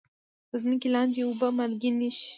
د ځمکې لاندې اوبه مالګینې شوي؟